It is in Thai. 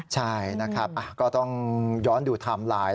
ใช่นะครับก็ต้องย้อนดูไทม์ไลน์